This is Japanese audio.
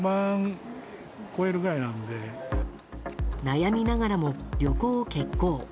悩みながらも旅行を決行。